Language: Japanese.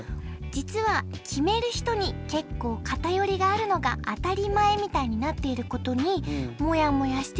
実は決めるひとに結構偏りがあるのが当たり前みたいになっていることにもやもやしてる人も多いんです。